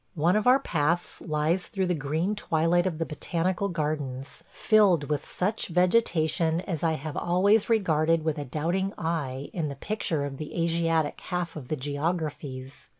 One of our paths lies through the green twilight of the Botanical Gardens, filled with such vegetation as I have always regarded with a doubting eye in the picture of the Asiatic half of the geographies.